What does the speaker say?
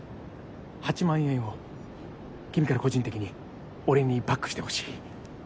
８万円を君から個人的に俺にバックしてほしい。